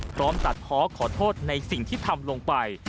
พร้อมตัดเพาะขอโทษในสิ่งที่ทำลงไป